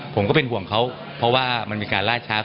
ผมก็เป็นห่วงเขาเพราะว่ามันมีการล่าช้า